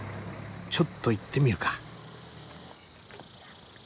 ちょっと行ってみるか。